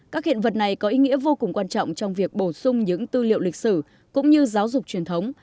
các hiện vật này có ý nghĩa vô cùng quan trọng trong việc bổ sung những tư liệu lịch sử cũng như giáo dục truyền thống